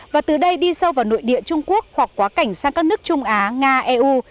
và từ đây đi sâu vào nội địa trung quốc hoặc quá cảnh sang các nước trung á nga eu